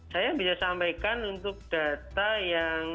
saya bisa sampaikan untuk data yang